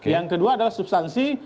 yang kedua adalah substansi